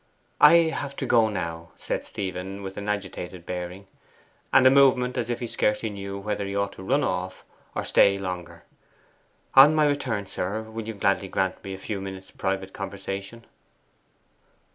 'I have to go now,' said Stephen, with an agitated bearing, and a movement as if he scarcely knew whether he ought to run off or stay longer. 'On my return, sir, will you kindly grant me a few minutes' private conversation?